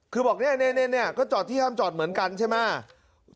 คือบอกเนี่ยก็จอดที่ห้ามจอดเหมือนกันใช่ไหม